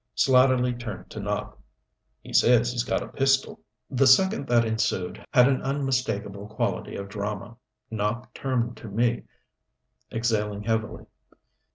Slatterly turned to Nopp. "He says he's got a pistol." The second that ensued had an unmistakable quality of drama. Nopp turned to me, exhaling heavily.